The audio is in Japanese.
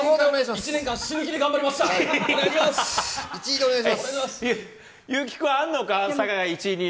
１年間、死ぬ気で頑張りました。